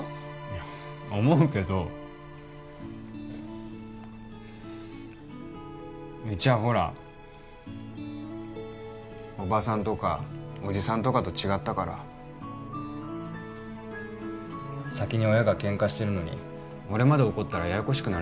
いや思うけどうちはほらおばさんとかおじさんとかと違ったから先に親がケンカしてるのに俺まで怒ったらややこしくなるだけでしょ